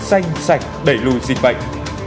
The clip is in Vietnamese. xanh sạch đẩy lùi dịch bệnh